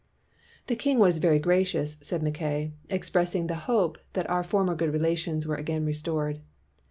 "The king was very gracious," said Mackay, "expressing the hope that our for mer good relations were again restored.